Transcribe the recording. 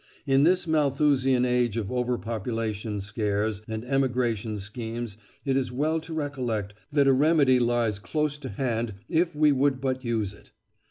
In this Malthusian age of over population scares and emigration schemes it is well to recollect that a remedy lies close to hand if we would but use it.